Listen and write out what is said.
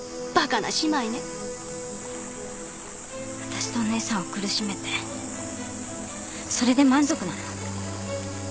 私とお姉さんを苦しめてそれで満足なの？